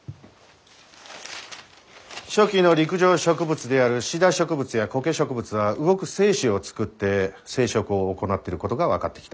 初期の陸上植物であるシダ植物やコケ植物は動く精子を作って生殖を行っていることが分かってきた。